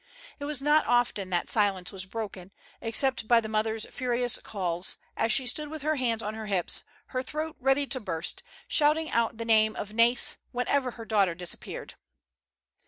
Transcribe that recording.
It was not often that silence was broken, except by the mother s furious calls, as she stood with her hands on her hips, her throat ready to burst, shouting out the name of Nais whenever her daughter disappeared.